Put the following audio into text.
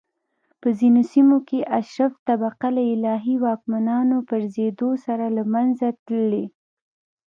په ځینو سیمو کې اشراف طبقه له الهي واکمنانو پرځېدو سره له منځه تللي